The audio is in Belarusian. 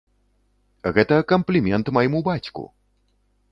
Гэта камплімент майму бацьку!